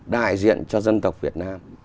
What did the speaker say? đại diện cho dân tộc việt nam